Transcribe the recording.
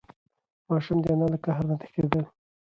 ماشوم د انا له قهر نه تښتېده.